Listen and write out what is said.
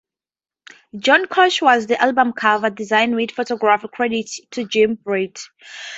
John Kosh was the album cover's designer with photography credited to Jim Britt.